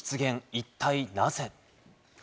一体なぜ？